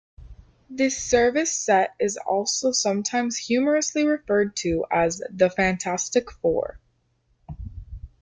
This service set is also sometimes humorously referred to as "The Fantastic Four".